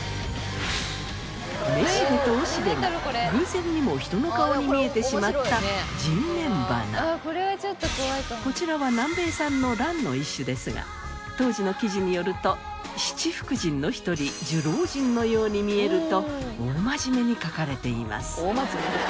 めしべとおしべが偶然にも人の顔に見えてしまったこちらは南米産のランの一種ですが当時の記事によると七福神の一人寿老人のように見えると大真面目に書かれています。